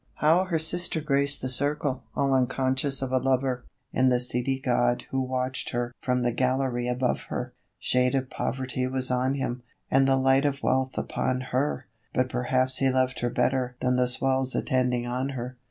(How her sister graced the 'circle,' all unconscious of a lover In the seedy 'god' who watched her from the gallery above her! Shade of Poverty was on him, and the light of Wealth upon her, But perhaps he loved her better than the swells attending on her.)